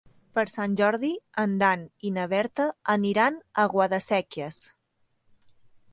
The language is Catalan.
Per Sant Jordi en Dan i na Berta aniran a Guadasséquies.